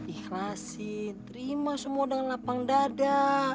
ikhlasi terima semua dengan lapang dada